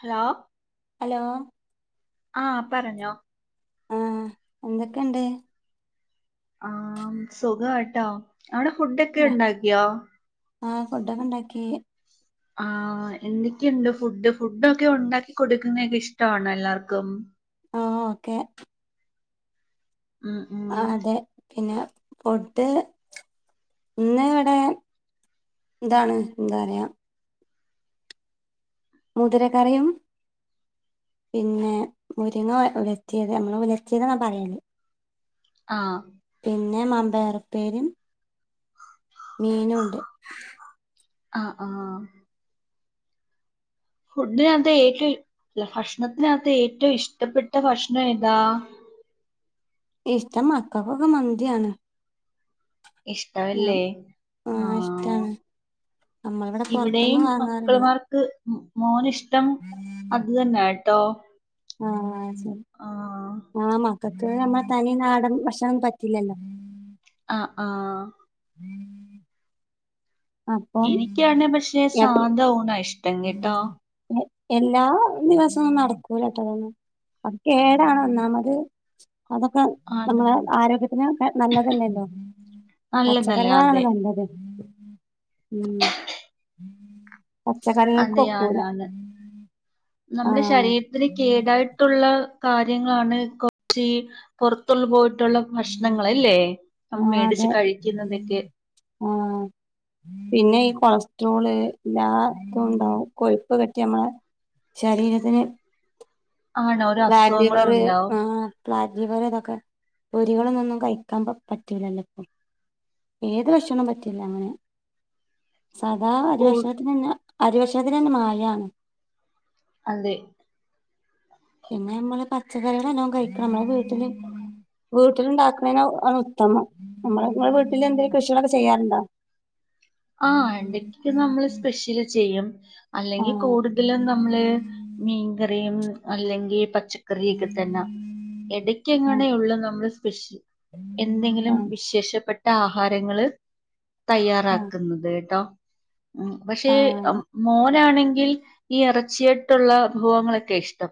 Hello hello ആഹ് പറഞ്ഞോ ആഹ് എന്തൊക്കെയുണ്ട് ആഹ് സുഖാട്ടോ അവിടെ ഫുഡ്ക്കെ ഉണ്ടാക്കിയോ ആഹ് ഫുഡൊക്കെ ഉണ്ടാക്കി ആഹ് എന്തൊക്കെയുണ്ട് ഫുഡ് ഫുഡൊക്കെ ഉണ്ടാക്കി കൊടുക്കുന്നെക്കെ ഇഷ്ടണോ എല്ലാർക്കും ആഹ് ഓക്കെ ഉം ഉം ആഹ് അതെ പിന്നെ പുട്ട് ഇന്ന് ഇവിടെ ഇതാണ് എന്താ പറയാ മുതിരക്കറിയും പിന്നെ മുരിങ്ങ ഒലത്തിയത് നമ്മള് ഒലച്ചിയത്‌ എന്ന പറയല് ആഹ പിന്നെ മാമ്പേറുപ്പേരിയും മീനുണ്ട് ആഹ് ആഹ ഫുഡിനകത്ത് ഏറ്റവുംല്ല ഭക്ഷണത്തിനകത്ത് ഏറ്റവും ഇഷ്ടപ്പെട്ട ഭക്ഷണ ഏതാ ഇഷ്ടം മക്കക്കൊക്കെ മന്തിയാണ് ഞാൻ ഇഷ്ടവല്ലേ ആഹ് നമ്മളിവിടെ ഇവിടെയും പുറത്തൊന്നും വാങ്ങാറില്ല മക്കള്മാർക്ക് മോനിഷ് ടം അത് തന്നെ ആയി ട്ടോ ആഹ് ഉം ആമ ക്കത്ത് നമ്മ തനി നാടൻ ഭക്ഷണം പറ്റില്ലല്ലോ അ ആഹ് അപ്പം എനിക്കാണ് പക്ഷെ എപ്പ സാധാ ഊണ ഇഷ് തങ്ങിട്ടോ എല്ലാ ദിവസവും നടക്കൂലട്ടൊന്ന് അത് കെടാണ് ഒന്നാമത് അതൊക്കെ ആണ് നമ്മളെ ആരോഗ്യത്തിന് നല്ലതല്ലല്ലോ നല്ലതല്ല പച്ചക്കറികളാണ് അതെ നല്ലത് ഉം പച്ചക്കറികൾക്ക് അതെയാണ് ഒക്കൂല ആണ് നമ്മുടെ ആഹ് ശരീരത്തിന് കേടായിട്ടുള്ള കാര്യങ്ങളാണ് കൊറച്ച് ഈ പുറത്തുള്ള പോയ് ട്ടുള്ള ഭക്ഷണങ്ങൾ ഇല്ലേ. ആഹ് അതെ മേടിച്ച് കഴിക്കുന്നതൊക്കെ ആഹ് പിന്നെ ഈ കൊളസ്ട്രോള് എല്ലാതും ഉണ്ടാവും കൊഴുപ്പ് കെട്ടി നമ്മളെ ശരീരത്തിന് ആണ് ഓരോ ഫാറ്റ് അസുഖങ്ങളും ലിവർ ഉണ്ടാവും ആ ഫ്ലാറ്റ് ലിവർ ഇതൊക്കെ പൊരികളൊന്നൊന്നും കഴിക്കാൻ പറ്റൂലല്ലോ ഇപ്പൊ ഏത് ഭക്ഷണം പറ്റില്ല അങ്ങനെ സാദാ അരി കൂ ഭക്ഷണത്തിനന്നെ അരിഭക്ഷണത്തിന് തന്നെ മായാണ്. അതെ പിന്നെ നമ്മള് പച്ചക്കറികള് നല്ലോം കഴിക്കണം അത് വീട്ടില് വീട്ടില് ഉണ്ടാക്കണത് ആണ് ഉത്തമം നമ്മള് നമ്മെ വീട്ടില് എന്തെങ്കിലും കൃഷികളൊക്കെ ചെയ്യാറുണ്ടോ? ആഹ് എന്തൊക്കെക്കെ നമ്മള് സ്പെഷ്യല് ചെയ്യും. അല്ലെങ്കിൽ ആഹ് കൂടുതലും നമ്മള് മീൻകറിയും അല്ലെങ്കിൽ പ പച്ചക്കറിയൊക്കെ തന്നെ ഇടക്ക് ആഹ് ഇങ്ങനെയുള്ള നമ്മൾ സ്പെഷ്യൽ എന്തെങ്കിലും ആഹ് വിശേഷപ്പെട്ട താ ആഹാരങ്ങള് തയ്യറാക്ക - ന്നെട്ടോ പക്ഷേ ആഹ് ആഹ് അതെ മോൻ അങ്ങനാണെങ്കിൽ ഈ ഇറച്ചിയിട്ടുള്ള വിഭവങ്ങളൊക്കെ ഇഷ്ടം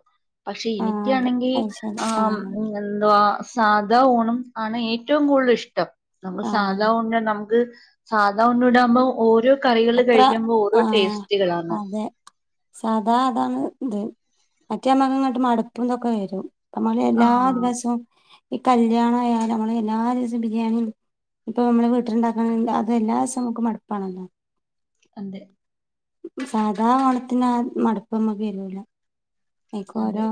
പക്ഷെ ആഹ് അതെ എനിക്കാണെങ്കിൽ അത് ശരി ആ ആഹ് എന്ത് വാ സാധാ ഊണും ആണ് ഏറ്റവും കൂടുതൽ ഇഷ്ടം നമ്മക്ക് സാധാ ആഹ് ഊണിനെ നമക്ക് സാധ് അത ഒൂടാമോ ഓരു കറികള് അത്ര കഴിക്കുമ്പോ ഓരോ ടേസ്റ്റുകളാണ് സാദാ അതാണ് ഇത് മറ്റേമ്മക്ക് ഇങ്ങട്ട് മടുപ്പന്തൊക്കെ വരും നമ്മള് എല്ലാ ആഹ് ദിവസവും ഈ കല്യാണായാൽ ഞമ്മള് എല്ലാ ദിവസവും ബിരിയാണിയും ഇപ്പൊ മ്മള് വീട്ടിലുണ്ടാക്കണ്ന്താ അത് എല്ലാ ദീസം നമക്ക് മട്പ്പാണല്ലോ അതെ സാധാ ഓണത്തിന് ആ മടുപ്പൊന്നും വരൂല അതെ ഐക്കോരോ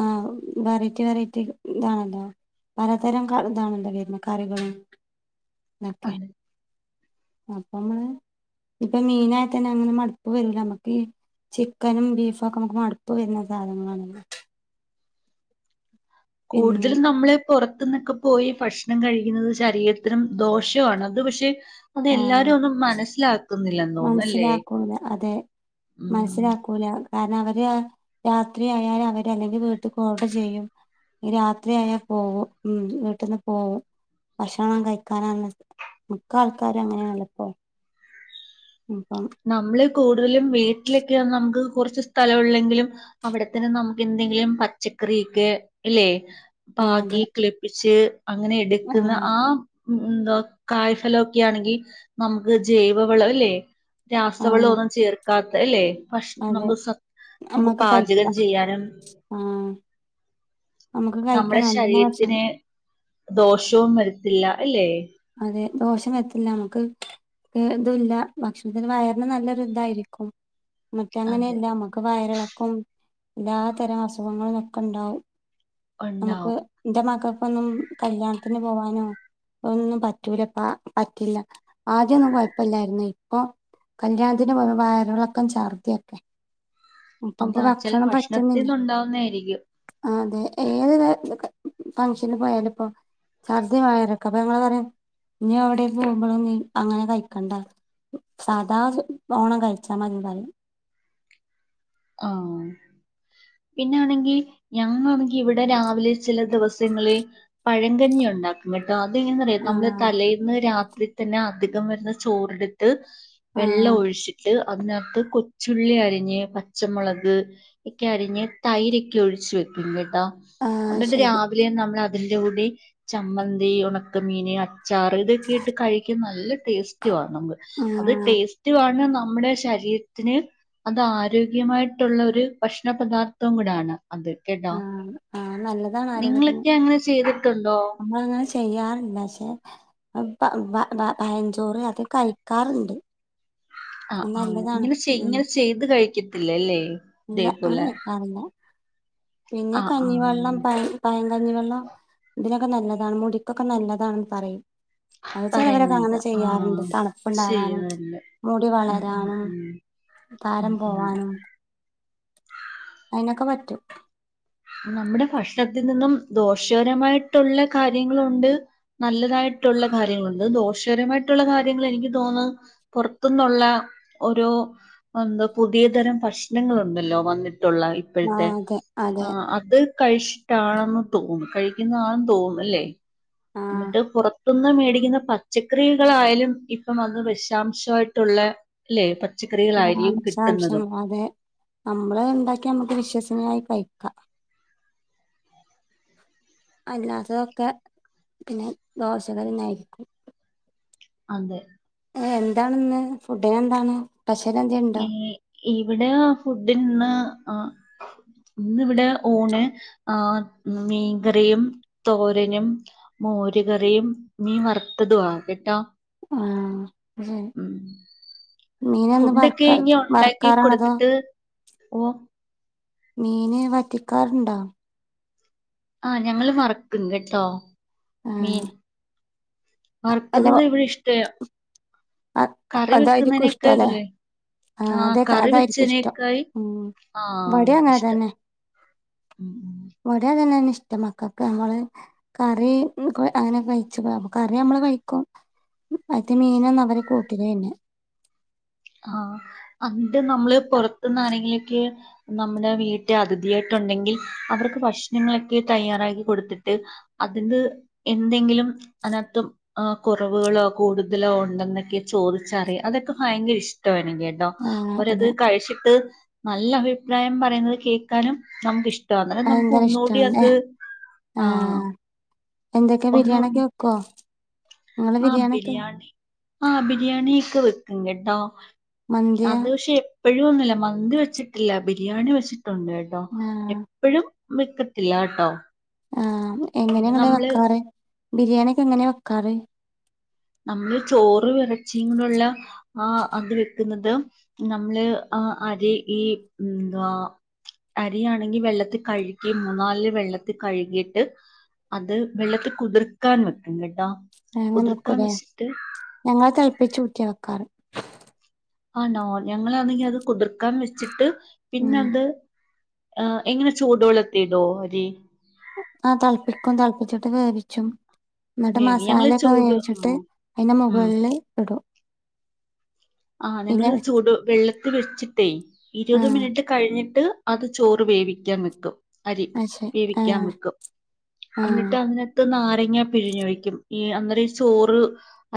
ആഹ് വെറൈറ്റി വെറൈറ്റി ഇതാണല്ലോ പലതരം ക ഇതാണല്ലോ വര്ന്നെ കറികള്. തൊക്കെ അതെ അപ്പൊ മ്മള് ഇപ്പൊ മീനായതന്നെ അങ്ങനെ മടുപ്പ് വരൂല അമ്മുക്കീ ചിക്കനും ബീഫും ഒക്കെ മുക്ക് മടുപ്പ് വരുന്ന സാധനങ്ങളാണല്ലോ പിന്നെ കൂടുതലും നമ്മളെ പൊർ ത്ത്ന്നൊക്കെ പോയി ഭക്ഷണം കഴിക്കുന്നത് ശരീരത്തിനു ദോഷാണ് അത് പക്ഷെ ആഹ് അതെല്ലാരും ഒന്നും മനസ്സിലാക്കുന്നില്ലന്ന് തോന്നുന്നു അല്ലേ മനസ്സിലാക്കൂല അതെ ഉം മനസ്സിലാക്കൂല കാരണം അവര് രാത്രി ആയാൽ അവര് അല്ലെങ്കി വീട്ടിക്ക് ഓർഡർ ചെയ്യും നിരാത്രി ആയാൽ പോവും ഉം വീട്ടിന്ന് പോവും ഭക്ഷണം കഴിക്കാനാണന്ന് മിക്കാ ൾക്കാരും അങ്ങനെയാണല്ലോ ഇപ്പോ ഇപ്പം നമ്മള് കൂടുതലും വീട്ടിലക്കെ നമുക്ക് കുറച്ച് സ്ഥലം ഉള്ളെങ്കിലും അവിടെത്തന്നെ നമുക്ക് എന്തെങ്കിലും പച്ചക്കറിക്കെ ഇല്ലേ അതെ പാകി കിളിപ്പിച്ച് അങ്ങനെ എടുക്കുന്ന ആഹ് ആ ഉം ന്തോ കായ്ഫലൊക്കെ ആണെങ്കി നമുക്ക് ജൈവവളം ല്ലേ രാസവളോ ആഹ് ഒന്നും ചേർ കാത്ത ല്ലേ ഭക്ഷ അതെ നമുക്ക് സ നമുക്ക് നമ്മക്ക് പാചകം കഴിക്കാം ചെയ്യാനും ആഹ് നമുക്ക് കഴിക്കാം നമ്മുടെ നല്ല ഭക്ഷണം ശരീരത്തിന് ദോഷവും വരത്തില്ല അല്ലേ അതെ ദോഷം വരത്തില്ല മുക്ക് ഏതുല്ല ഭക്ഷണത്തിന് വയറിന് നല്ലൊരു ഇതായിരിക്കും മറ്റ അതെ അങ്ങനെയല്ല മ്മുക്ക് വയറിള ക്കും എല്ലാ തരം അസുഖങ്ങളും ഒക്കെ ഇണ്ടാവും നമുക്ക് ഉണ്ടാവും ൻ്റെമക്ക കൊന്നും കല്യാണത്തിന് പോവാനോ ഒന്നും പറ്റൂല പ പറ്റില്ല ആദ്യൊന്നും കുയപ്പല്ലായിരുന്നേ ഇപ്പൊ കല്യാണത്തിന് പോവുമ്പോ വയറിളക്കം ചർദ്ധിയൊക്കെ അതാ ചെല ഭക്ഷണത്തിന്നുണ്ടാവുന്ന ആയിരിക്കും അതെ ഏത് ത [unintelligible] ഫങ്ഷനു പോയാ ലു ഇപ്പോ ഛർദി വയറിളക്ക അപ്പൊ ഞങ്ങള് പറയും ഞി എവിടെ പോകുമ്പോഴും നീ അങ്ങനെ കഴിക്കണ്ട സാദാ ഓണം കഴിച്ചാ മതിന്നു പറയും ആ പിന്നാണെങ്കി ഞങ്ങ ഇവിടെ രാവിലെ ചെല ദിവ സങ്ങളിൽ പഴങ്കഞ്ഞി ഉണ്ടാക്കും കേ ട്ടോ അതെങ്ങനാറിയോ നമ്മള് ആഹ് തലേന്ന് രാ ത്രി തന്നെ അധികം വരുന്ന ചോറെടുത്ത് വെള്ളം ആഹ് ഒഴിച്ചിട്ട് അതിനകത്ത് കൊച്ചുള്ളി അരിഞ്ഞ് പ പച്ചമുളക് ഒക്കെ അരിഞ്ഞ് തൈരൊക്കെ ഒഴിച്ച് വെക്കും ആഹ് എന്നിട്ട് ശരി രാവിലെ നമ്മള് അതിൻ്റൂടി ചമ്മന്തി ഒണക്ക മീന് അച്ചാ ചാറ് ഇതൊക്കെ ഇട്ട് കഴിക്കാ നല്ല ടേസ്റ്റുവാ ആ നമുക്ക് അത് ആഹ് ടേസ്റ്റും ആണ് ന അമ്മടെ ശരീരത്തിന് അത് ആരോ [unintelligible] മായിട്ടുള്ള ഒരു ഭക്ഷണ പദാർത്ഥവും കൂടാണ് അത് കേട്ടാ ആ നല്ലതാണ് ആരോഗ്യത്തിന് ചെയ്തിട്ടുണ്ടോ നമ്മള് അങ്ങനെ ചെയ്യാറില്ല പക്ഷെ ബ ബ പയഞ്ചോറ് അത് കഴിക്കാറ്ണ്ട് ആ ആ ഇങ്ങനെ ഉം ഇങ്ങനെ ചെയ്ത് കഴിക് ഇല്ലല്ലേ ഇല്ല അങ്ങനെ വെക്കാറില്ല പിന്നെ ആ ആ കഞ്ഞിവള്ളം പ പയം കഞ്ഞിവെള്ളം ഇതിനെ നല്ലതാണ് മുടിക്കൊക്കെ നല്ലതാണ് പറയും അത് ചെലവരൊക്കെ അങ്ങനെ പറയുന്നേക്കാം ആ ചെയ്യാറുണ്ട് തണ്പ്പുണ്ടാവാനും ചെയ്യുന്നുണ്ട് മുടി ഉം ഉം വളരാനും ഉം ഉം താരം ഉം പോവാനും അയ്നൊക്കെ പറ്റും നമ്മുടെ ഭക്ഷണത്തിൽ നിന്നും ദോഷകരമായിട്ടുള്ള കാര്യങ്ങളുണ്ട് നല്ലതായിട്ടുള്ള കാര്യങ്ങളുണ്ട് ദോഷകരമായിട്ടുള്ള കാര്യങ്ങള് എനിക്ക് തോന്ന് പോറത്ത്ന്നുള്ള ഓരോ എന്താ പുതിയതരം ഭക്ഷണങ്ങുണ്ടല്ലോ വന്നി ട്ടുള്ള ആ ഇപ്പോഴത്തെ അതെ ആ അതെ അത് കഴിഷിട്ടാണെന്ന് തോന്നും കഴിക്കുന്ന ആന്ന് തോന്ന് ല്ലേ ആഹ് എന്നിട്ട് പുറ ത്ത്‌ന്ന് മേടിക്കുന്ന പച്ചക്കറികളായാലും ഇപ്പം വന്ന് വിഷാംശമായിട്ടുള്ള അല്ലെ പ ആ വിശാംശങ്ങള അതെ നമ്മള് ണ്ടാക്കി നമ്മുക്ക് വിശ്വസീനിയായി കയിക്കാ അല്ലാത്തതൊക്കെ പിന്നെ ദോഷകരന്നായിരിക്കും അതെ എന്താണ് ഇന്ന് ഫുഡിന് എന്താണ് സ്പെഷ്യൽ എന്തേ ഉണ്ടോ ഇവിടെ ഫുഡിനിന്ന് ആ ഇന്നിവിടെ ഊണ് ആ മീൻകറിയും, തോരനും, മോരുകറിയും, മീൻ വറത്തതുവാ കേട്ടോ ആഹ് അതെ ഉം മീനൊന്ന് ഫുഡ് വറക്ക ഒക്കെ ഇനി ഒണ്ടാക്കി വറക്കാറാണോ അതോ കൊടുത്തിട്ട് ഓ മീന് വറ്റിക്കാറ്ണ്ടാ ആഹ് ഞങ്ങള് വറക്കും കേട്ടോ മീൻ ആഹ് അല്ല വറക്കുന്നത് ഇവിടെ ഇഷ്ടം അ അതായിരിക്കും ഇഷ്ട്ടോ ല്ലേ ആ അതക്കെ കറി അതായിരിക്കും ഇഷ്ടം വെച്ചതിനേക്കായി ഉം ആ ഇഷ്ടം ഇവടയങ്ങാതന്നെ ഉം ഉം ഇവടെങ്ങാത്തന്നെ ഇഷ്ട മക്കക്ക് നമ്മള് കറി അങ്ങനെ കഴിച്ച കറി നമ്മള് കഴിക്കും മീനന്നും അവരെ കൂട്ടു [unintelligible] ആ അണ്ട് നമ്മള്പൊറത്തുന്ന് ആരെങ്കിലൊക്കെ നമ്മുടെ വീട്ടി അതിഥിയായിട്ടുണ്ടെങ്കിൽ അവർക്ക് ഭക്ഷണങ്ങളൊക്കെ തയ്യാറാക്കി കൊടുത്തിട്ട് അതിന്റെ എന്തെങ്കിലും അതിനകത്ത കൊറവുകളോ കൂടുതലോ ഒണ്ടെന്നൊക്കെ ചോദിച്ചാറിയ അതൊക്കെ ഭയങ്കര ഇഷ്ട കേട്ടോ ആഹ് ഓര്ത് അതെ കഴിച്ചിട്ട് നല്ല അഭിപ്രായം പറയുന്നത് കേൾക്കാനും നമുക്കിഷ്ട ട്ടോ അങ്ങനെ നമുക്ക് ഭയങ്കര ഒന്നുകൂടി ഇഷ്ടാണ് അത് ആ ആഹ് എന്തൊക്കെ ഒന്നു ബിരിയാണി ഒക്കെ വെക്കോ നിങ്ങള് ആ ബിരിയാണിയൊക്കെ ബരിയാണി ആ ബിരിയാണി ഒക്കെ വെക്കും കേട്ടോ മന്തിയാ അത്ക്ഷെ എഴിവൊന്നുല്ല മന്തി വെച്ചിട്ടില്ല ബിരിയാണി വെച്ചിട്ട് ണ്ട് കേട്ടോ ആഹ് എപ്പൊഴും വെക്കത്തില്ല കേട്ടോ ആ പിന്നെ എങ്ങനെങ്ങെ നമ്മള് വെക്കാറ് ബിരിയാണിക്കെ എങ്ങനെയാ വെക്കാറ് നമ്മള് ചോറ് ഇറച്ചിയും കൂടെള്ള ആ അത് വെക്കുന്നത് നമ്മള് ആ അരി ഈ എന്തുവാ അരിയാണെങ്കി വെള്ളത്തി കഴുകി മൂന്നാല് വെള്ളത്തി കഴുകിയിട്ട് അത് വെള്ളത്തി കുതിർക്കാൻ വെക്കും കേട്ടാ ആങ്ങന ക്കൂലേ ഞങ്ങള് തിളിപ്പിച്ച് ഊറ്റിയാ വെക്കാറ് ആണോ ഞങ്ങളാണെങ്കി അത് കുതിർക്കാൻ വെച്ചിട്ട് ഉം പിന്നത് ആ എങ്ങനെ ചൂടുവെള്ളത്തിടോ അരി ആ തെളപ്പിക്കും തെളപ്പിച്ചിട്ട് വേവിച്ചും എന്നിട്ട് വേവി ഞങ്ങള് മസാലയൊക്കെ ചൂട് വേവിച്ചിട്ട് ആഹ് അതിന്റെ ഉം മുകളില് ഇടും ആഹ് ഇല ഞങ്ങള് ചൂട് വെള്ള ട്ട് വെച്ചിട്ടെ ഇരുപത് ആഹ് മിനിറ്റ് കഴിഞ്ഞി അത് ചോറ് വേവിക്കാൻ വെക്കും അരി അത് ശരി വേവിക്കാൻ ആഹ് വക്കും ആഹ് എന്നിട്ട് അതിനാത്ത് നാര ഇങ്ങെ പിരിഞ്ഞു വെക്കും ഈ അന്നേരം ചോറ്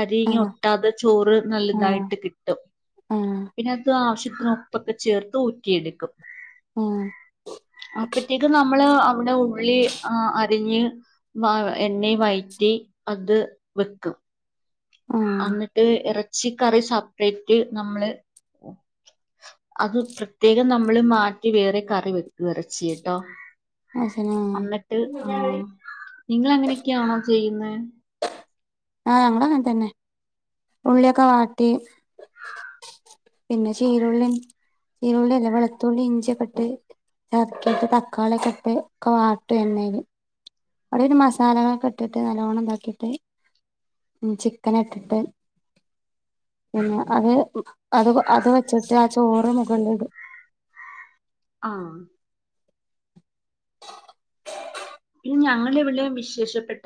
അരിങ്ങ ആഹ് ഒട്ടാതെ ചോറ് ആഹ് നല്ലതായിട്ട് കി ആഹ് പിന്നെ അത് ആവശ്യത്തിന് ഉപ്പൊക്കെ ചേർത്ത് ഊറ്റിയെടുക്കും ആഹ് അപ്പറ്റേക്ക് നമ്മ നമ്മള് അവിടെ ഉള്ളി ആ അരിഞ്ഞ് വ എണ്ണേ വയറ്റി അത് വെക്കും ആഹ് അന്ന്ട്ട് എറ- ഇച്ചി കറി സെപ്പറേറ്റ് നമ്മള് അത് പ്രത്യേകം നമ്മള് മാറ്റി വേറെ കറി വെക്കുക ഇറച്ചി കേട്ടോ അയ്ശരി ആഹ് എന്നിട്ട് ആ നിങ്ങ അങ്ങനെയൊക്കെയാണോ ചെയ്യുന്നേ ആഹ് ഞങ്ങള് അങ്ങനെ തന്നെ ഉള്ളിയൊക്കെ വാട്ടി പിന്നെ ചീരുള്ളി ചീരുള്ളില്ലേ വെളുത്തുള്ളി ഇഞ്ചിയൊക്കെ ഇട്ട് ഇതാക്കിട്ട് തക്കാളിയ ഒക്കെ ഇട്ട് ഒക്കെ വാട്ടും എണ്ണേല് അതായത് മസാലകളൊക്കെ ഇട്ടിട്ട് നല്ലവണ്ണം ഇതാക്കിട്ട് ചിക്കൻ ഇട്ടിട്ട് പിന്നെ അത് അത് അത് വെച്ചിട്ട് ആ ചോറ് മുകളില് ഇടും ആഹ് പിന്ന ഞങ്ങളുടെ ഇവിടെ വിശേഷപ്പെട്ട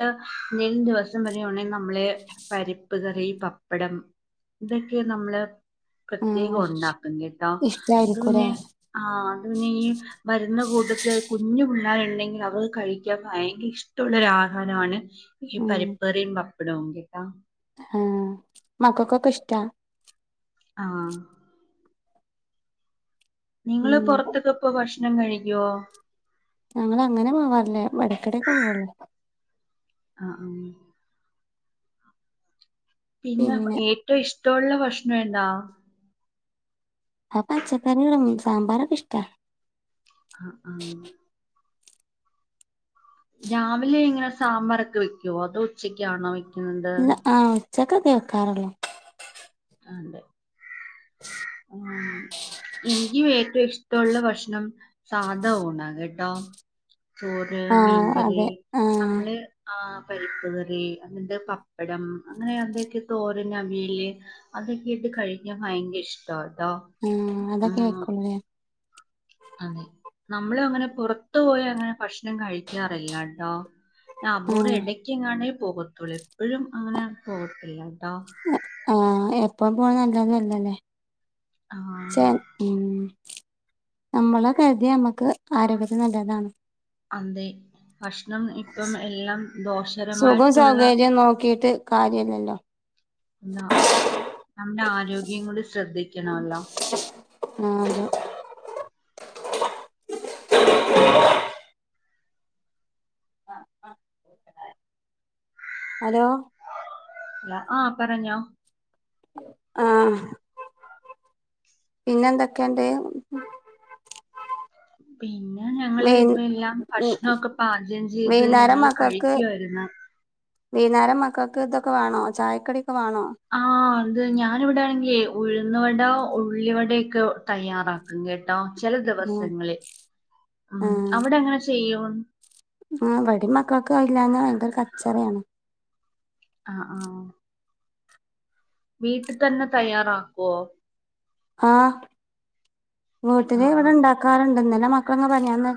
എന്തേലും ദിവസം പറയവാണെങ്കിൽ നമ്മളെ പരിപ്പ് കറി പപ്പടം ഇതൊക്കെ നമ്മള് പ്രത്യേകം ആഹ് ഉണ്ടാക്കും കേട്ടോ അത് ഇഷ്ടായിരിക്കൂലേ പിന്നെ ആ അത് പിന്നെ ഈ മരുന്ന് കൂ കുഞ്ഞു പിള്ളാര് ഉണ്ടെങ്കിൽ അവർ കഴിക്ക് കഴിക്കാൻ ഭയങ്കര ഇഷ്ടമുള്ളൊരു ആഹാരാണ് ഈ ഉം പരിപ്പുകറിയും പപ്പ [unintelligible] ആഹ് മക്കക്കൊക്കെ ഇഷ്ടാ ആഹ് നിങ്ങള് ഉം പുറത്തൊക്കെ പോയ് ഭക്ഷണം ഭക്ഷണം കഴിക്കുവോ ഞങ്ങൾ അങ്ങനെ പോവാറില്ല ഇടയ്ക്കിടൊക്കെ പോവുള്ളൂ ആഹ ആ പിന്നെ ഏറ്റവും ഇഷ് ഇഷ്ടോള്ള ഭക്ഷണം എന്താ ആപ്പ പച്ചക്കറികളും സാമ്പാറൊക്കെ ഇഷ്ടാ ആ ആ രാവിലെ ഇങ്ങനെ സാമ്പാറൊക്കെ വെയ്ക്കുവോ അതോ ഉച്ചക്കാണോ വെയ് ആഹ് ചക്കത്തി കാരല്ലാം ആല്ലേ ഉം എനിക്ക് ഏറ്റവും ഇഷ്ടമുള്ള ഭക്ഷണം സാധാ ഊണാ കേട്ടോ ചോറ് ആ മീൻകറി അതെ ആ നമ്മള് ആ പരിപ്പ് കറി അങ്ങത്തെ പപ്പടം അങ്ങനെ അന്തൊക്കെ തോരൻ, അവിയൽ അതൊക്കെയിട്ട് കഴിക്കാൻ ഭയങ്കര ഇഷ്ട ചോർ ഹും അതൊക്കെ വെക്കൂലേ അതെ നമ്മള് അങ്ങനെ പുറത്തു പോയി അങ്ങനെ ഭക്ഷണം കഴിക്കാറില്ലാട്ടോ ആ അബൂർ ഇടയ്ക്ക് എങ്ങാണ്ട് പോകത്തുള്ളൂ എപ്പോഴും അങ്ങനെ പോകത്തില്ല ട്ടോ ആഹ് എ ഇപ്പ പോന്ന നല്ലതല്ലല്ലേ ആ ചേ ഉ നമ്മളെ കരുതി നമ്മുക്ക് ആരോഗ്യത്തിന് നല്ലതാണ് അതെ ഭഷണം ഇപ്പം എല്ലാം സുഖം ദോഷകരമായിട്ടുള്ള സൗകര്യം നോക്കിട്ട് കാര്യല്ലല്ലോ എന്താ നമ്മുടെ ആരോഗ്യം കൂടി ശ്രദ്ധിക്കണംല്ലോ ആഹത ഹലോ അ ആപറഞ്ഞോ ആ പിന്നെ എന്തൊക്കെണ്ട് പിന്നെ ഞങ്ങള് ഇതെല്ലാം ഭക്ഷണമൊക്കെ പാദ്യം ചെയ്ത് വൈന്നേരം ഞങ്ങള് കഴിക്കുവമായിുന്ന വീനാരം മക്കൾക്ക് ഇതൊക്കെ വേണോ ചായക്കടിയൊക്കെ വണോ ആഹ അത് ഞാാനിവിടെ ആണെങ്കേ ഉഴുന്ന വട ഉള്ളിവടയൊക്കെ തയ്യാറാക്കും കേട്ടോ ചില ആ ദിവസങ്ങളിൽ ഉ അവിടെ ങ്ങനെ ചെയ്യും ഉ വെടിമക്കളക്കെ കല്ലാന്ന ഭയങ്കര കച്ചറിയാണ് ആആ വീട്ടിൽ തന്നെ തയ്യാറാക്കുവോ ആ ആ വീട്ടില് ഇവിടെ ആ ണ്ടാക്കാറുണ്ട് ഇന്തന്നലെ മക്കളെ പറയാന്ന്